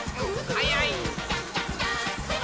はやい！